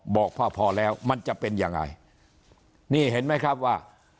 บอกพอพอแล้วมันจะเป็นยังไงนี่เห็นไหมครับว่า